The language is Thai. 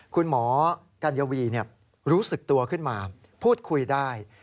คุณหมอกัญวีรู้สึกตัวขึ้นมาพูดคุยได้